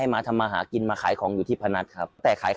อ่าค้าขายครับ